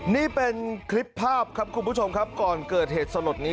นี่เป็นคลิปภาพครับคุณผู้ชมครับก่อนเกิดเหตุสลดนี้